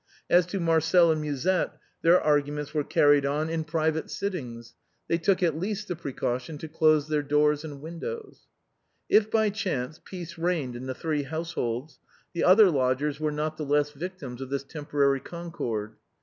As to Marcel and Musette, their arguments were carried on in private sittings; they took at least the precaution to close their doors and win dows. If by chance peace reigned in the three households, the other lodgers were not the less victims of this temporary concord.